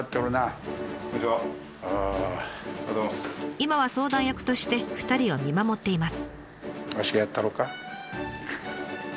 今は相談役として２人を見守っています。